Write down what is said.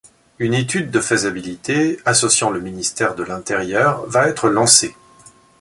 Une étude de faisabilité associant le ministère de l'Intérieur va être lancée.